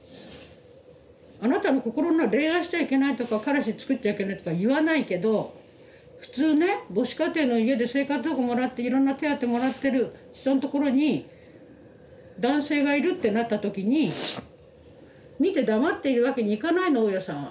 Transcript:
あなたの心が恋愛しちゃいけないとか彼氏つくっちゃいけないとか言わないけど普通ね母子家庭の家で生活保護もらっていろんな手当もらってる人のところに男性がいるってなった時に見て黙っているわけにいかないの大家さんは。